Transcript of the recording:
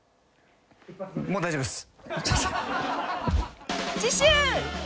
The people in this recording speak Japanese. もう大丈夫です。